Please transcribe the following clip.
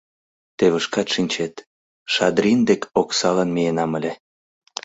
Теве шкат шинчет, Шадрин дек оксалан миенам ыле.